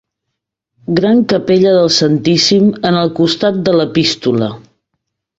Gran capella del Santíssim en el costat de l'epístola.